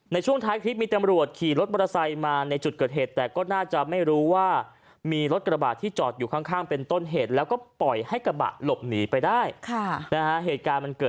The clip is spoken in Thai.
ในช่วงท้ายคลิปมีตำรวจขี่รถมอเตอร์ไซค์มาในจุดเกิดเหตุ